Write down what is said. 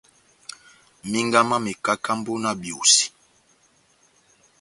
Minga má mekakambo na biosi.